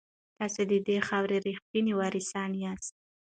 تاسو د دې خاورې ریښتیني وارثان یاست.